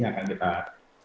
yang akan kita pilih